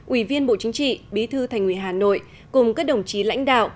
ủy viên bộ chính trị bí thư thành ủy hà nội cùng các đồng chí lãnh đạo